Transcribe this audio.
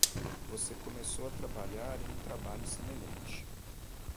Você começou a trabalhar em um trabalho semelhante.